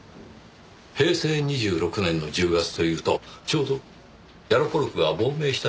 平成２６年の１０月というとちょうどヤロポロクが亡命した時期ですねぇ。